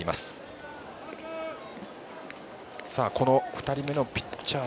２人目のピッチャー